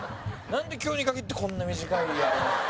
んで今日に限ってこんな短いあれなの？